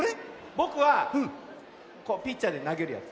ぼくはピッチャーでなげるやつ。